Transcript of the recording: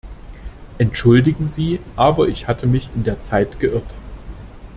Entschuldigen Sie, aber ich hatte mich in der Zeit geirrt.